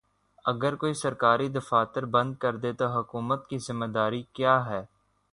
اگر کوئی سرکاری دفاتر بند کردے تو حکومت کی ذمہ داری کیا ہے؟